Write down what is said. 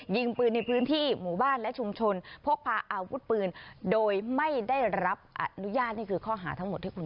ยิงปืนในพื้นที่หมู่บ้านและชุมชนพกพาอาวุธปืนโดยไม่ได้รับอนุญาต